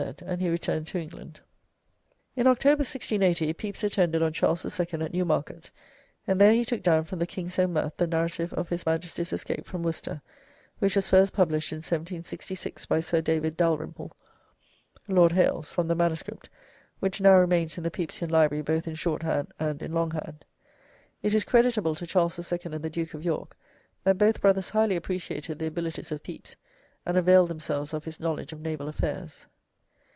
and he returned to England. In October, 1680, Pepys attended on Charles II. at Newmarket, and there he took down from the King's own mouth the narrative of his Majesty's escape from Worcester, which was first published in 1766 by Sir David Dalrymple (Lord Hailes) from the MS., which now remains in the Pepysian library both in shorthand and in longhand? It is creditable to Charles II. and the Duke of York that both brothers highly appreciated the abilities of Pepys, and availed themselves of his knowledge of naval affairs.